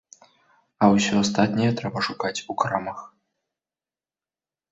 А ўсё астатняе трэба шукаць у крамах.